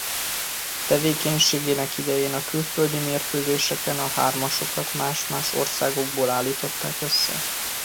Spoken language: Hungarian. Tevékenységének idején a külföldi mérkőzéseken a hármasokat más-más országból állították össze.